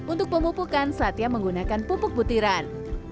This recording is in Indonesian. untuk pemupukan satya menggunakan pupuk butiran